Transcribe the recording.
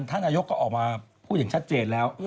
นายกก็ออกมาพูดอย่างชัดเจนแล้ว